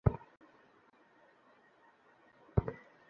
তাহলে ফিস্টুলাসহ অনেক জটিলতার হাত থেকে আমাদের মায়েরা মুক্ত থাকতে পারেন।